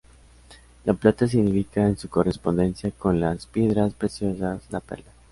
La plata significa en su correspondencia con las piedras preciosas la perla.